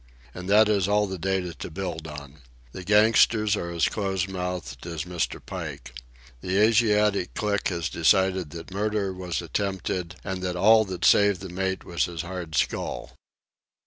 And that is all the data to build on. The gangsters are as close mouthed as Mr. Pike. The Asiatic clique has decided that murder was attempted and that all that saved the mate was his hard skull.